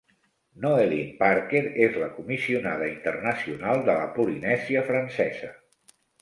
Noelline Parker és la comissionada internacional de la Polinèsia Francesa.